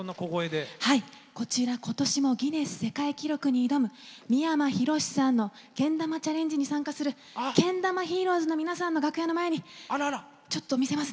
こちら今年もギネス世界記録に挑む三山ひろしさんのけん玉チャレンジに参加するけん玉ヒーローズの楽屋の前に来ています。